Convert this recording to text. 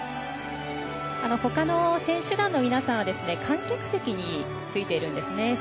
ほかの選手団の皆さんは観客席についているんですね。